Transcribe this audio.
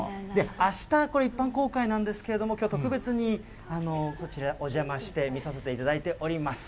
あしたこれ、一般公開なんですけれども、きょう、特別にこちら、お邪魔して見させていただいております。